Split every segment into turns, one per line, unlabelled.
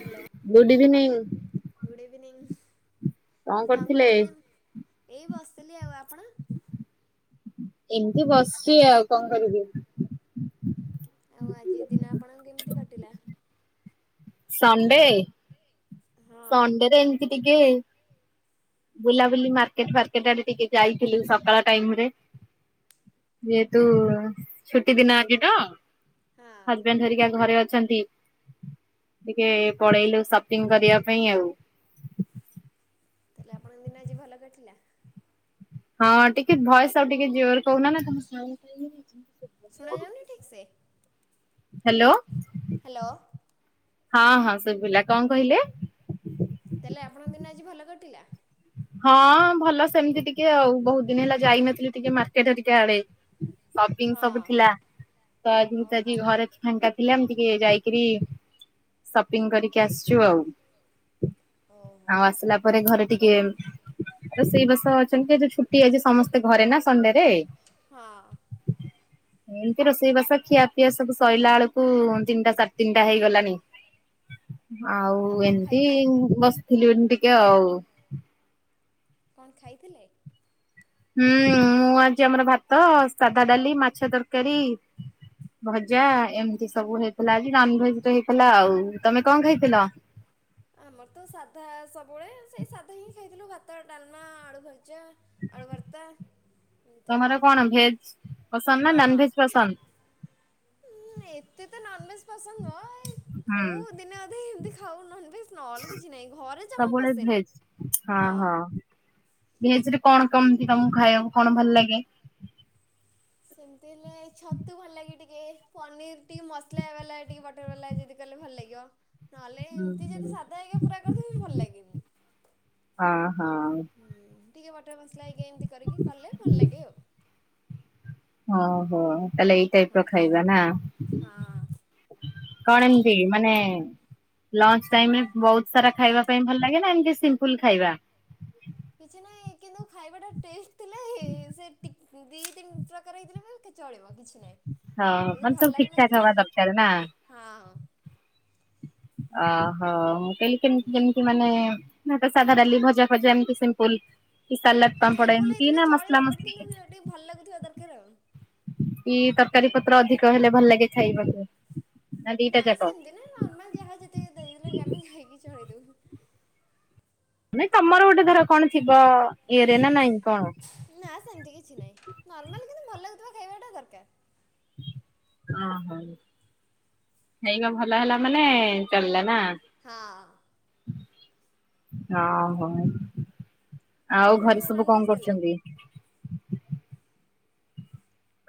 Hello
good evening
good evening. କଣ କରୁଛନ୍ତି ଏବେ ଏଇ ବସିଥିଲି ଆଉ। ଆପଣ
ଏମିତି ବସିଛି ଆଉ କଣ କରିବି?
ଆଉ ଆଜି ଦିନ ଆପଣଙ୍କର କେମିତି କଟିଲା?
ସଣ୍ଡେ।
ହଁ।
ସଣ୍ଡେରେ ଏମିତି ଟିକେ ବୁଲାବୁଲି ମାର୍କେଟ ଫାର୍କେଟ ଆଡେ ଟିକେ ଯାଇଥିଲୁ ସକାଳ ଟାଇମରେ। ଯେହେତୁ
ହଁ
ଛୁଟି ଦିନ ଆଜି ତ ହଜବେଣ୍ଡ ଧରିକି ଘରେ ଅ ସନ୍ଦୀପ। ଟିକେ ପଳେଇଲୁ ସପିଙ୍ଗ କରିବା ପାଇଁ ଆଉ।
ତାହେଲେ ଆପଣଙ୍କ ଦିନ ଆଜି ଭଲ କଟିଲା?
ହଁ ଟିକେ ଭଏସ ଆଉ ଟିକେ ଜୋର କହୁନା ନା।
ସୁଣା ଯାଉନି ଠିକ ସେ।
ହ୍ୟାଲୋ।
ହ୍ୟାଲୋ।
ହଁ ହଁ ଶୁଭିଲା କଣ କହିଲେ?
ତାହେଲେ ଆପଣଙ୍କ ଦିନ ଭଲ କଟିଲା?
ହଁ ଭଲ ସେମିତି ଟିକେ ଆଉ ବହୁତ ଦିନ ହେଲା ଯାଇନଥିଲି ଟିକେ ମାର୍କେଟ ଆଡେ। ସପିଙ୍ଗ
ହଁ
ସବୁ ଥିଲା ତ ଆଜି ତ ଆଜି
ଓହୋ
ଘରେ ଫାଙ୍କା ଥିଲେ ଏମିତି ଇୟ ଯାଇକିରି ସପିଂ କରିକି ଆସିଛୁ ଆଉ।
ଓହୋ।
ଆଉ ଆସିଲା ପରେ ଘରେ ଟିକେ ରୋଷେଇ ବାସ ଅଛନ୍ତି ଏ ଯୋଉ ଛୁଟି ଆଜି ସମସ୍ତେ ଘରେ ନା ସଣ୍ଡେ ରେ।
ହଁ।
ଏମିତି ରୋଷେଇବାସ ଖିଆ ପିଆ ସବୁ ସଇଲା ବେଳକୁ ତିନିଟା ସାଢେ ତିନିଟା ହେଇଗଲାଣି। ଆଉ
କଣ
ଏମିତି
ଖାଇଥିଲେ
ବସିଥିଲି ଟିକେ ଆଉ।
କଣ ଖାଇଥିଲେ?
ହୁଁ ମୁଁ ଆଜି ଆମର ଭାତ ସାଧା ଡାଲି ମାଛ ତରକାରୀ। ଭଜା। ଏମିତି ସବୁ ହେଇଥିଲା ଆଜି ନନ୍ ଭେଜ୍ ରେ ହେଇଥିଲା ଆଉ ତମେ କଣ ଖଇଥିଲ?
ଆମର ତ ସାଧା ସବୁବେଳେ ସେଇ ସାଧା ହିଁ ଖାଇଥିଲୁ ଭାତ ଡାଲମା ଆଳୁ ଭଜା। ଭଜା ଆଳୁ ଭରତା।
ତମର କଣ ଭେଜ ପସନ୍ଦ ନା ନନ
ହଁ
ଭେଜ ପସନ୍ଦ?
ଏତେ ତ ନନଭେଜ୍ ପସନ୍ଦ ନୁହଁ।
ହୁଁ।
ଦିନ ଅଧେ ଏମତି ଖାଉ ନନ୍ ଭେଜ ନହେଲେ କିଛି ନାହିଁ ଘରେ ଜମା
ସବୁବେଳେ
ପଶେନି ହଁ।
ଭେଜରେ କଣ କେମିତି ତମକୁ ଖାଇବାକୁ କଣ ଭଲ ଲାଗେ?
ସେମିତି ହେଲେ ଛତୁ ଭଲ ଲାଗେ ଟିକେ ପନିର ଟିକେ ମସଲା ବାଲା ଟିକେ ବଟର ବାଲା ଯଦି କହ ଭଲ ଲାଗିବ ନହେଲେ
ଉଁ
ଏମିତି ଯଦି
ହୁଁ
ସାଧା ହେରିକା ପୁରା କରିଥିବି ଭଲ ଲାଗେନି।
ହଁ ହଁ
ହୁଁ ଟିକେ ବଟର ମସଲା ଏମିତି କରିକି କଲେ ଭଲ ଲାଗେ ଆଉ।
ଓହୋ ହୋ। ତାହଲେ ଏଇ ଟାଇପ
ହଁ
ର ଖାଇବା ନା
ହଁ।
କଣ ଏମିତି ମାନେ ଲଞ୍ଚ ଟାଇମ୍ ରେ ବହୁତ ସାରା ଖାଇବା ପାଇଁ ଭଲ ଲାଗେ ନା ଏମିତି ସିମ୍ପୁଲ ଖାଇବା?
କିଛି ନାହିଁ କିନ୍ତୁ ଖାଇବା ଟା ଟେଷ୍ଟ ଥିଲେ ହେ ସେ ଟିକ ଦି ତିନି ପ୍ରକାର ହେଇଥିଲେ ବି କି ଚଳିବ। କିଛି ନାହିଁ
ହଁ
ଆଉ ଯଦି
ମାନେ
ଭଲ
ସବୁ ଠିକ ଠାକ
ଲାଗୁନଥିବ
ହବା ଦରକାର ନା?
ହଁ।
ଓହୋ! ମୁଁ କହିଲି
ହୁଁ
କେମତି କେମିତି ମାନେ ନା ତ, ସାଧା ଡାଲି ଭଜା ଫଜା ଏମିତି ସିମ୍ପଲ୍।
ହଁ ସିମ୍ପଲ୍ ହେଇଥିଲେ ଚଳିବ। ବଟ୍
ମସଲି
କିନ୍ତୁ ଟିକେ ଭଲ ଲାଗୁଥିବା ଦରକାର ଆଉ।
କି ତରକାରୀପତ୍ର ଅଧିକ ହେଲେ ଭଲ ଲାଗେ ଖାଇବାକୁ? ନା ଦିଟା
ନାଇଁ
ଯାକ?
ସେମିତି ନାହିଁ ନର୍ମାଲ୍ ଯାହା ଯେତିକି ଦେଇଲେ ବି ଆମେ ଖାଇକି ଚଳେଇ
ନାଇଁ ତୋମର ଗୋଟେ ଧର କଣ ଥିବ ଇଏରେ ନା ନାଇଁ କଣ?
ନା ସେମିତି କିଛି ନାହିଁ ନର୍ମାଲ୍ କିନ୍ତୁ ଭଲ ଲାଗୁଥୁବା ଖାଇବା ଟା ଦରକାର।
ଓ ହଉ ଖାଇବା ଭଲ ହେଲା ମାନେ ଚାଲିଲା ନା?
ହଁ
ନା, ହଁ। ଆଉ ଘରେ
ଆପଣଙ୍କର
ସବୁ କଣ
ନନଭେଜ୍ ତାହେଲେ
କରୁଛନ୍ତି?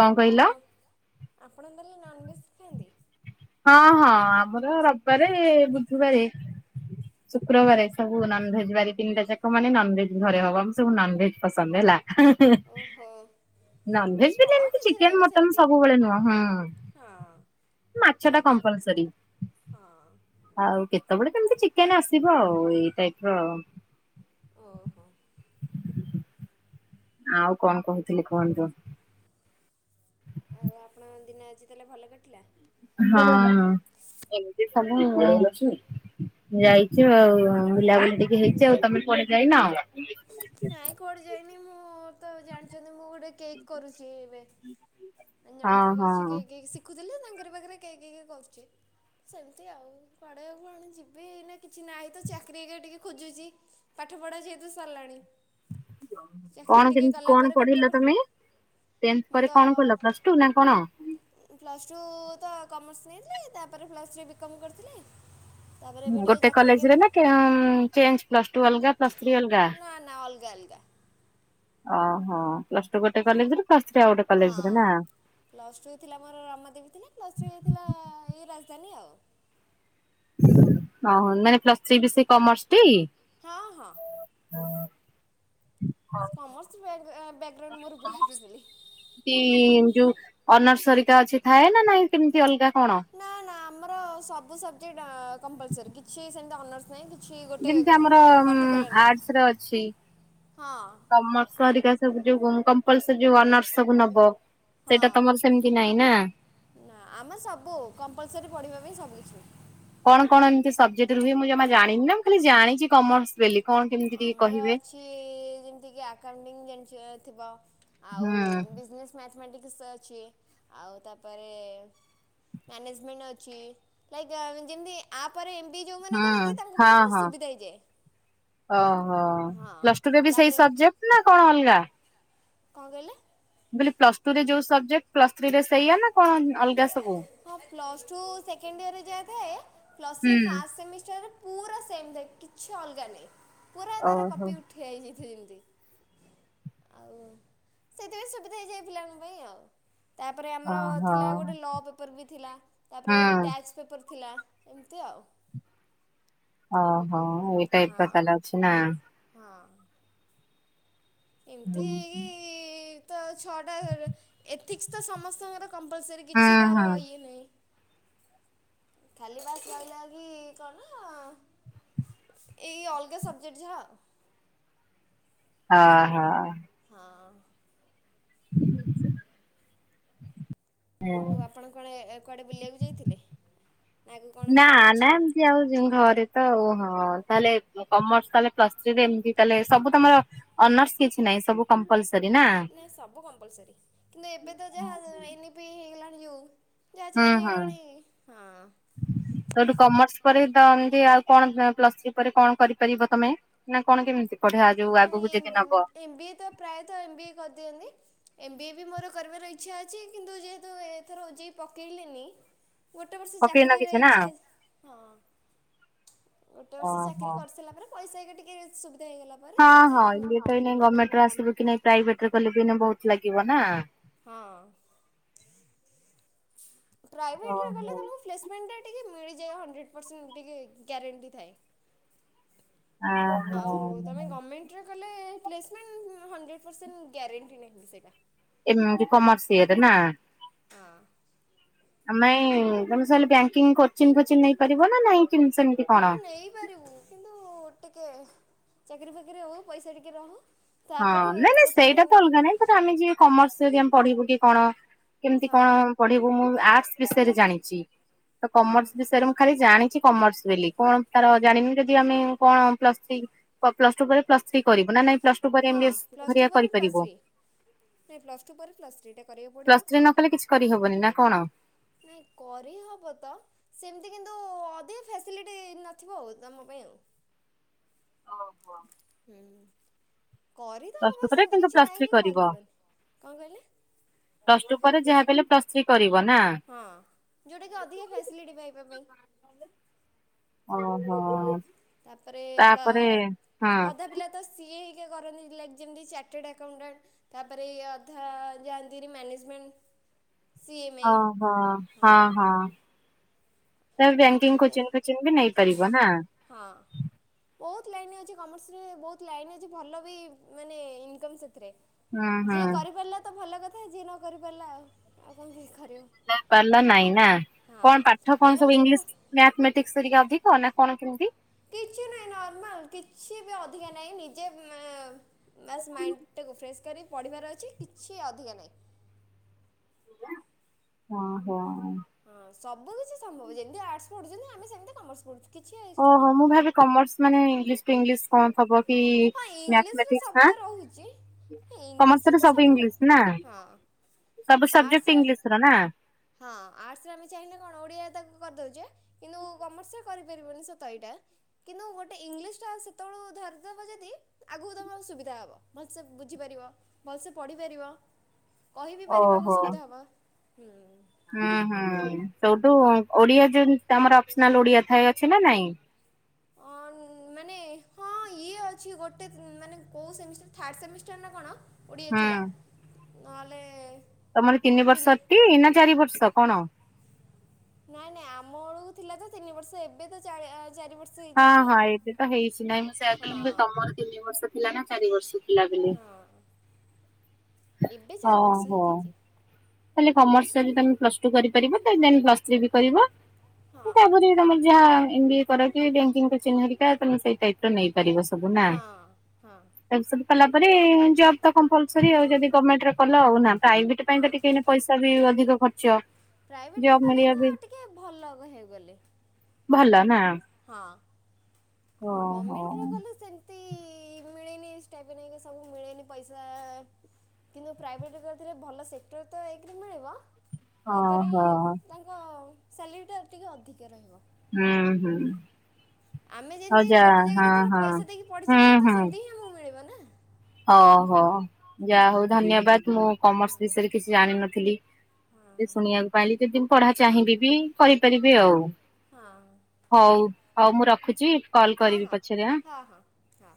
କଣ କହିଲ?
ଆପଣ ତାହାଲେ ନନଭେଜ୍ ଖାଆନ୍ତି?
ହଁ, ହଁ ଆମର ରବିବାରେ ବୁଧବାରେ ଶୁକ୍ରବାରେ ସବୁ ନନଭେଜ୍ ବାରି ତିନିଟା ଯାକ ମାନେ ନନଭେଜ୍ ଘରେ ହବ। ଆମ ସବୁ ନନଭେଜ୍ ପସନ୍ଦ ହେଲା। ହଁ, ରେ।
ଓହୋ
ନନଭେଜ୍ ବି
ହଁ
ଯେମିତି
କିଛି ନାହିଁ
ଚିକେନ୍
ମ
ମଟନ୍
ସେମିତି
ସବୁବେଳେ ନୁହଁ। ହୁଁ,।
ହଁ।
ମାଛ ଟା
ସେଇତ
କମ୍ପଲସରି।
ହଁ
ଆଉ କେତେବଳେ ସେମିତି ଚିକେନ୍ ଆସିବ ଆଉ ଏଇ ଟାଇପ୍ ର।
ଓହୋ!
ଆଉ କଣ କହୁଥିଲେ କୁହନ୍ତୁ?
ଆଉ ଆପଣଙ୍କ ଦିନ ଆଜି ତାହେଲେ ଭଲ କଟିଲା?
ହଁ ଏମିତି ସମୟ ଅଛି। ଯାଇଚ ଆଉ ବୁଲାବୁଲି ଟିକେ ହେଇଚି ଆଉ। ତୋମେ କୁଆଡେ ଯାଇନ?
ନାଇଁ କୁଆଡେ ଯାଇନି। ମୁଁ ତ ଜାଣିଛନ୍ତି ମୁଁ ଗୋଟେ କେକ୍ କରୁଛି ଏବେ।
ହଁ, ହଁ।
ଥିଲି ତାଙ୍କରି ପାଖରେ କେକ୍ ଏକା କରୁଚେ। ସେମତି ଆଉ କୁଆଡେ ଆଉ କୁଆଡେ ଯିବି ଏଇନେ କିଛି ନାହିଁ ତ ଚାକିରି ଏକା ଟିକେ ଖୋଜୁଚି। ପାଠ ପାଠ ପଢ଼ା ଯେହେତୁ ସରିଲାଣି। ଚାକିରି
କଣ
ଟିକେ
କେମିତି
କଲା
କଣ
ପରେ ଗୋଟେ ବ
ପଢିଲ ତୋମେ? ଟେନ୍ଥ
ମୁଁ ତ
ପରେ କଣ କଲ ପ୍ଲସ୍ ଟୁ ନା କଣ?
ପ୍ଲସ୍ ଟୁ ତ କମର୍ସ ନେଇଥିଲି ତାପରେ ପ୍ଲସ୍ ଥ୍ରୀ ବିକମ୍ କରିଥିଲି। ତାପରେ ଏବେ
ହଁ
ଟିକେ
ଗୋଟେ
ଚାକିରି
କଲେଜ୍ ରେ
ହେରିକା
ନା କେମ୍ ଚେଞ୍ଜ ପ୍ଲସ୍ ଟୁ ଅଲଗା ପ୍ଲସ ଥ୍ରି ଅଲଗା?
ଗା- ଅଲଗା।
ଓ ହଁ ପ୍ଲସ ଟୁ ଗୋଟେ କଲେଜ୍ ରୁ
ହଁ ପ୍ଲସ୍ ଟୁ ଥିଲା ମୋର ରମାଦେବୀ ଥିଲା। ପ୍ଲସ୍ ଥ୍ରି ଏଇ ଥିଲା ଏଇ ରାଜ କେନି ଆଉ।
ଓ ହଁ ମାନେ ପ୍ଲସ୍ ଥ୍ରୀ ବି ସେଇ କମର୍ସ ଟି?
ହଁ, ହଁ। କମର୍ସ ବେଙ୍ଗେ ଏ
ପି ଯୋଉ ଅନର୍ସରୀ ତ ଅଛି ଥାଏ ନା ନାଇଁ ଏମତି ଉଁ, କି ଅଲଗା କଣ?
ନା ନା ଆମର ସବୁ ସବଜେକ୍ଟ ଅ, କମ୍ପଲସରି କିଛି ସେମିତି ଅନର୍ସ ନାହିଁ କି
ଯେମିତି ଆମର ଉଁ, ଆର୍ଟସ ର ଅଛି।
ହଁ
କମର୍ସ
ଆ-
ହରିକା ସବୁ ଯୋଉ ଉଁ, କମ୍ପଲସରି ଯୋଉ ଅନର୍ସ ସବୁ ନବ।
ହଁ,
ସେଇଟା ତମର ସେମିତି ନାଇଁ ନା।
ନା ଆମେ ସବୁ କମ୍ପଲସରି ପଢ଼ିବା ପାଇଁ ସବୁ କିଛି।
କଣ କଣ ଏମିତି ସବଜେକ୍ଟ ରୁହେ ମୁଁ ଜମା ଜାଣିନି ନା, ମୁଁ ଖାଲି ଜାଣିଛି କମର୍ସ ବେଲି।
ଆମର ଅଛି ଯେମତି କି ଆକାଉଣ୍ଟିଂ ଜାଣ [unintelligible] ଥିବ।
ହୁଁ
ଆଉ ବିଜନେସ୍ ମ୍ୟାଥମେଟିକ୍ସ ଅଛି, ଆଉ ତାପରେ ମ୍ୟାନେଜମ୍ୟାଣ୍ଟ ଅଛି ଲାଇକ୍ ଏ ଯେମତି ଆ ପରେ ପି ଜି ଯୋଉମାନେ
ହୁଁ
କରନ୍ତି ତାଙ୍କ
ହଁ
ପାଇଁ ପୁରା
ହଁ
ସୁବିଧା ହେଇଯାଏ।
ଓହୋ
ହଁ
ପ୍ଲସ ଟୁ ରେ ବି ସେଇ ସବଜେକ୍ଟ ନା କଣ ଅଲଗା?
କଁ କହିଲେ?
ମୁଁ କହିଲି ପ୍ଲସ ଟୁ ରେ ଯୋଉ ସବଜେକ୍ଟ ପ୍ଲସ ଥ୍ରୀ ରେ ସେଇଆ ନା କଣ ଅଲଗା ସବୁ?
ହଁ ପ୍ଲସ ଟୁ ସେକେଣ୍ଡ ଇୟରରେ ଯାଇଥାଏ ପ୍ଲସ ଥ୍ରୀ
ହୁଁ
ଫାଷ୍ଟ ସେମିଷ୍ଟାର ପୁରା ସେମ୍ ଥାଏ। କିଛି ଅଲଗା ନାହିଁ ପୁରା ତାର
ଓହୋ
କପି ଉଠି ଆଇ ଯାଇଥାଏ। ଆଉ ସେଥିପାଇଁ ସୁବିଧା ହେଇଯାଏ ପିଲାଙ୍କ ପାଇଁ ଆଉ। ତାପରେ ଆମର
ଓହୋ
ଥିଲା ଗୋଟେ ଲ ପେପର ବି ଥିଲା। ତାପରେ ଗୋଟେ
ହୁଁ।
ଟ୍ୟାଚ ପେପର ଥିଲା, ଏମତି ଆଉ।
ଓହୋ ଏଇଟା ଏ
ହଁ
ବ ତାଲା ଅଛି ନା।
ହଁ। ଏମତି
ହୁଁ
ଏଇ ତ ଛଅଟା ଏଥିକ୍ସ ତ ସମସ୍ତଙ୍କର କମ୍ପଲସରି କିଛି କାହାର
ହୁଁ
ଇଏ ନାହିଁ। ଖାଲି ବାସ ରହିଲା କି କଣ ଏଇ ଅଲଗା ସବଜେକ୍ଟ ଯାହା।
ଅ ହ।
ହଁ
ହଁ
ଆଉ ଆପଣ କୁଆ କୁଆଡେ ବୁଲିଆକୁ ଯାଇଥିଲେ? ନା ଆଗକୁ କ'ଣ
ନା
ପ୍ଲାନ୍
ନା
ଅଛି
ଏମତି ଆଉ ଯ ଘରେ ତ ଓହୋ। ହଁ ତାହଲେ କମର୍ସ ତାହେଲେ ପ୍ଲସ୍ ଥ୍ରୀ ରେ ଏମତି ତାହଲେ ସବୁ ତମର ଅନର୍ସ କିଛି ନାହିଁ ସବୁ କମ୍ପଲସ
ନାଇଁ ସବୁ କମ୍ପଲସରି କିନ୍ତୁ ଏବେ ତ ଯାହା ଏନ ଇ ପି ହେଇଗଲାଣି ଯୋଉ ଯାହା
ହୁଁ
ଚେଞ୍ଜ
ହଁ
ହେଇଗଲାଣି ହଁ
ସୋଉଠୁ କମର୍ସ ପରେ ତ ଏମିତି ଆଉ କଣ ପ୍ଲସ୍‌ ଥ୍ରୀ ପରେ କଣ କରିପାରିବ ତମେ ନା କଣ କେମତି?
ନାଇଁ ଏମ ଏମ ବି ଏ ତ ପ୍ରାୟତଃ ଏମ ବି ଏ କର ଦିଅନ୍ତି। ଏମ୍ ବି ଏ ବି ମୋର କରିବାର ଇଚ୍ଛା ଅଛି କିନ୍ତୁ ଯେହେତୁ ଏଥର ଓ ଜେ ଇ ଇ ପକେଇଲିନି ଗୋଟେ ବର୍ଷ
ପକେଇନ
ଚାକିରୀ ର
କିଛି ନା
ଇଚ୍ଛା ଅଛି, ହଁ। ଗୋଟେ ବର୍ଷ
ଓହୋ।
ଚାକିରୀ କରିସାରିଲା ପରେ ପଇସା ହେଇ ଟିକେ ସୁବିଧା ହେଇଗଲା ପରେ
ହଁ
ତାପରେ
ହଁ
ଏମ୍ ବି
ଇଏ ତ ଏଇନା ଗମେଣ୍ଟର ଆସିବ କି ନାଇଁ ପ୍ରାଇଭେଟରେ କଲେ ବି ଏନା ବହୁତ ଲାଗିବ ନା।
ହଁ। ପ୍ରାଇଭେଟରେ କଲେ
ଓହୋ।
ତମକୁ ପ୍ଳେସ୍‌ମେଣ୍ଟ ଟା ଟିକେ ମିଳି ଯାଏ ହଣ୍ଡ୍ରେଡ ପରସେଣ୍ଟ ଟିକେ ଗ୍ୟାରେଣ୍ଟି ଥାଏ।
ଓହୋ
ଆଉ ତମେ ଗମେଣ୍ଟରେ କଲେ ପ୍ଲେସମେଣ୍ଟ ହଣ୍ଡ୍ରେଡ ପର୍ସେଣ୍ଟ ଗ୍ୟାରେଣ୍ଟି ନାହିଁ ସେଇଟା।
ଏମିତି କମର୍ସ ଇଏରେ ନା।
ହଁ
ଆମାଇ ଆମେ ତମେ ସଇଲେ ବ୍ୟାଙ୍କିଙ୍କ କୋଚିଂ ଫୋଚିଂ ନେଇ ପାରିବ ନା ନାଇଁ? କେମିତି ସେମିତି କଣ?
ହଁ ନେଇପାରିବୁ କିନ୍ତୁ ଟିକେ ଚାକିରୀ ଫାକିରୀ ହଉ ପଇସା ଟିକେ ରହୁ।
ହଁ
ତାପରେ
ନାଇଁ ନାଇଁ
କୋଚିଂ
ସେଇଟା ତ
ନେବି
ଅଲଗା ନାଇଁ ତ ଆମେ ଯିଏ କମର୍ସ ଯଦି ଆମେ ପଢିବୁ କି କଣ କେମତି
ହଁ
କଣ ପଢିବୁ ମୁଁ ଆର୍ଟସ ବିଷୟରେ ଜାଣିଚି ତ
ହଁ।
କମର୍ସ ବିଷୟରେ ମୁଁ ଖାଲି ଜାଣିଚି କମର୍ସ ବେଲି, କଣ ତାର ଜାଣିନି ଯଦି ଆମେ ପ୍ଲସ ଥ୍ରୀ କ ପ୍ଲସ ଟୁ ପରେ ପ୍ଲସ ଥ୍ରୀ କରିବୁ ନ ନାଇଁ ପ୍ଲସ ଟୁ ପରେ ଏମ ବି
ହଁ
ଏସ
ପ୍ଲସ୍ ଟୁ
ଗୁରା
ପରେ ପ୍ଲସ୍
କରିପାରିବୁ।
ଥ୍ରୀ ନାଇଁ ପ୍ଲସ ଟୁ ପରେ ପ୍ଲସ୍ ଥ୍ରୀ ଟା କରିବାକୁ ପଡିବ।
ପ୍ଲସ ଥ୍ରୀ ନ କଲେ କିଛି କରିହବନି ନା କଣ?
ନାଇଁ କରିହବ ତ ସେମତି କିନ୍ତୁ ଅଧିକ ଫେସିଲିଟି ନଥିବ ଆଉ, ତମ ପାଇଁ ଆଉ। ହୁଁ କରି ତ
ପ୍ଲସ
ହବ
ଟୁ ପରେ
ସେମତି
କିନ୍ତୁ
କିଛି
ପ୍ଲସ
ନାହିଁ
ଥ୍ରୀ
କି
କରିବ
କରିହବନି। କଣ କହିଲେ?
ପ୍ଲସ ଟୁ ପରେ ଯାହା ହେଲେ ପ୍ଲସ ଥ୍ରୀ କରିବୁ।
ହଁ ଯୋଉଟା କି ଅଧିକା ଫ୍ୟାସଲିଟି ପାଇବା ପାଇଁ।
ଓହୋ।
ତାପରେ [unintelligible]
ତାପରେ ହଁ
ପ୍ରାୟର ଅଧା ପିଲା ତ ସିଏ ହେଇ ଟିକେ କରନ୍ତି ଲାଇକ୍ ଯେମିତି ଚାର୍ଟେଡ଼ ଆକାଉଣ୍ଟାଣ୍ଟ ତାପରେ ଅଧା ଯାଆନ୍ତି ମ୍ୟାନେଜମେଣ୍ଟ ହ
ଅ ହୋ ହଁ ହଁ। ତମେ
ଆଉ
ବ୍ୟାଙ୍କିଙ୍ଗ
ସେ
କୋଚି ଫୋଚିଙ୍ଗ୍ ବି ନେଇପାରିବ ନାଁ
ହଁ। ବହୁତ ଲାଇନ ଅଛି କମର୍ସରେ ବହୁତ ଲାଇନ୍ ଅଛି ଭଲ ବି ମାନେ ଇନକମ୍ ସେଥିରେ
ହୁଁ ହୁଁ
ଯିଏ କରିପାରିଲା ତ ଭଲ କଥା ଯିଏ ନ କରି ପାରିଲା ଆଉ ଆଉ କଣ [unintelligible]
ପାରିଲ ନାଇଁ ନା କଣ
ହଁ
ପାଠ
ମେନ୍
କଣ ସବୁ
ହଉଛି
ଇଂଲିଶ ମ୍ୟାଥ୍ମେଟିକ୍ସ୍ ହେରିକା ଅଧିକ ନା କଣ କେମିତି?
କିଛି ନାଇଁ ନର୍ମାଲ୍ କିଛି ବି ଅଧିକା ନାଇଁ ନିଜେ ବାସ୍ ମାଇ ଫ୍ରେସ୍ କରି ପଢ଼ିବାର କିଛି ଅଧିକା ନାଇ
ଅ ହୋ।
ହଁ ସବୁ କିଛି ସମ୍ଭବ ଯେମିତି ଆର୍ଟସ ପଢୁଛନ୍ତି ଆମେ ସେମିତି କମର୍ସ ପଢୁଛୁ
ଓହୋ ମୁଁ ଭାବିଲି କମର୍ସ ମାନେ ଇଙ୍ଗଲିସ୍ ଟୁ ଇଙ୍ଗଲିସ୍ କଣ ଥବ କି
ହଁ ଇଂଲିଶରେ
ମ୍ୟାଥିମେଟିକ୍ସ୍
ସବୁ ତ
ହାଁ।
ରହୁଛି ଇଂଲିଶରେ
କମର୍ସରେ
ତ ସବୁ
ଇଂଲିଶ ନା
ରହିଲା ହଁ
ସବୁ ସବଜେକ୍ଟ
ଆର୍ଟ୍ସ ରେ
ଇଂଲିଶ ର ନା
ହଁ ଆର୍ଟ୍ସରେ ଆମେ ଚାହିଁଲେ କଣ ଓଡିଆ ତା ଉଚେ କିନ୍ତୁ କମର୍ସରେ କରିପାରିବୁନି ସତ ଏଇଟା କିନ୍ତୁ ଗୋଟେ ଇଂଲିସ ଟା ସେତେ ବେଳ ଧ ଯଦି ଆଗକୁ ତମେ ସୁବିଧା ହବ ଭଲସେ ବୁଝିପାରିବ ଭଲସେ ପଢିପାରିବ କହିିବି ପାରିବାକୁ
ଓହୋ
ସୁବିଧା ହବ ହୁଁ
ହୁଁ ହୁଁ ସୋଉଟୁ ଓଡିଆ ଯେ ଆମର ଅପସ୍ନାଲ୍ ଓଡିଆ ଥାଏ ଅଛି ନା ନାଇଁ
ଅଁ ମାନେ ହଁ ଇଏ ଅଛି ଗୋଟେ ମାନେ କୋଉ ସେମିଷ୍ଟାର୍ ଥାର୍ଡ ସେମିଷ୍ଟାର ନା କଣ? ଓଡ଼ିଏ ଥିଲା
ହୁଁ
ନହେଲେ
ତମର ତିନି
ପିଲେ
ବର୍ଷଟି ନା ଚାରି ବର୍ଷ କଣ?
ନାଇଁ ନାଇଁ ଆମ ବେଳକୁ ଥିଲା ତ ତିନି ବର୍ଷ ଏବେ ତ ଚାରି ଚାରି ବର୍ଷ
ହଁ
ହେଇଯାଇଛି
ହଁ
ଆଉ
ଏବେ ତ ହେଇଛି ନାଇଁ ମୁଁ ସେଇୟା କହିଲି
ହଁ
ତମର ତିନି ବର୍ଷ ଥିଲା ନା ଚାରି ବର୍ଷ ଥିଲା ବୋଲି
ହଁ ଏବେ ଚାରି ବର୍ଷ ହେଇଯାଇଛି
କମର୍ସରେ ତମେ ପ୍ଲସ୍ ଟୁ କରିପାରିବେ ଦେନ୍ ପ୍ଲସ୍ ଥ୍ରୀ ବି କରିବ
ହଁ
ତାପରେ ତମର ଯାହା ଏମ୍ ବିଏ କରି କି ବେଙ୍କ୍କିଙ୍ଗ୍ କୋଚିଙ୍ଗ୍ ହେରିକା ତମେ ସେଇ ଟାଇପର ନେଇ ପାରିବ। ପାରିବ ସବୁ ନା
ହଁ
[unintelligible]
ହଁ
ତା ସ ମାନେ ଜବ ତ କମ୍ପଲସରି ଆଉ ଯଦି ଗମେଣ୍ଟରେ କଲ ଆଉ ନା ପ୍ରାଇଭେଟ ପାଇଁ
ହଁ
ତ ଟିକେ ସେଟାବି ଅଧିକ ଖର୍ଚ୍ଚ
ପ୍ରାଇଭେଟରେ
ଜବ୍
କଲେ
ମିଳିବା
ତ
ବି
ଟିକେ ଭଲ ହେଇଗଲେ
ଭଲ ନା
ହଁ ଆଉ
ଓହୋ।
ଗମେଣ୍ଟ୍ କଲେ ସେମତି ମିଳି ମିଳେନି ସ୍ଟାାଇପେନ୍ ହେଇକି ସବୁ ମିଳେନି ପଇସା କିନ୍ତୁ ପ୍ରାଇଭେଟ୍ କରିଥିଲେ ଭଲ ସେକ୍ଟର ତ ଏକ୍ ରେ ମିଳିବ ତାପରେ
ଓହୋ
ତାଙ୍କ ସାଲେରୀ ଟା ଟିକେ ଅଧିକ ରହିବ।
ହୁଁ ହୁଁ।
ଆମେ
ହଉ
ଯେମିତି
ଯା
ଗୋଟେ
ହଁ
ଜାଗାରେ ଧର
ହଁ
ପଇସା ଦେଇକି ପଢ଼ିଛେ ମାନେ ତ ସେମିତି ହିଁ ଆମକୁ ମିଳିବ ନା
ଅହୋ ଯାହା ହଉ ଧନ୍ୟବାଦ ମୁଁ
ହଁ
କମର୍ସ ବିଷୟରେ କିଛି ଜାଣିନ ଥିଲି
ହଁ
ସେ ଶୁଣିବାକୁ ପାଇଲି ଯଦି ମୁଁ ପଢା ଚାହିଁବି ବି କରିପାରିବି ଆଉ
ହଁ
ହଉ ହଉ ମୁଁ ରଖୁଛି କଲ କରିବି ପଛରେ ହାଁ
ହଁ।